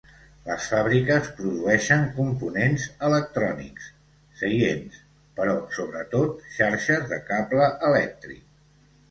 Les fàbriques produeixen components electrònics, seients, però sobretot xarxes de cable elèctric.